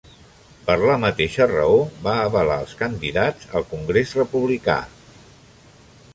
Per la mateixa raó, va avalar els candidats al Congrés republicans.